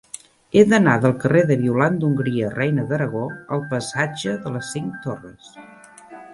He d'anar del carrer de Violant d'Hongria Reina d'Aragó al passatge de les Cinc Torres.